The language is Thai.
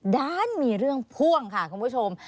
ด้านมีเรื่องพ่วงค่ะคุณผู้ชม